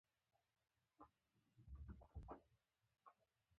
تاسو کولی شئ د پروژې په اړه د نورو معلوماتو لپاره ویب پاڼه وګورئ.